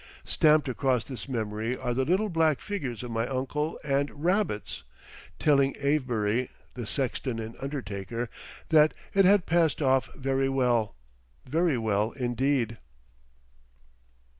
Stamped across this memory are the little black figures of my uncle and Rabbits, telling Avebury, the sexton and undertaker, that "it had all passed off very well—very well indeed."